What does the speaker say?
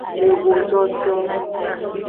Ehojoto.